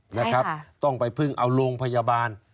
ใช่ค่ะต้องไปพึ่งเอาโรงพยาบาล